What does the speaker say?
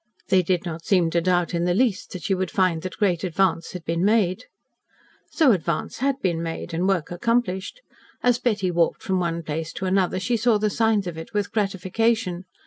They did not seem to doubt in the least that she would find that great advance had been made. So advance had been made, and work accomplished. As Betty walked from one place to another she saw the signs of it with gratification.